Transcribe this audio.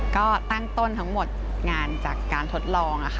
ก็ตั้งต้นทั้งหมดงานจากการทดลอง